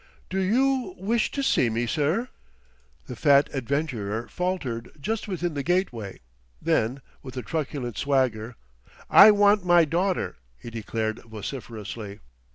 "Do you wish to see me, sir?" The fat adventurer faltered just within the gateway; then, with a truculent swagger, "I want my daughter," he declared vociferously.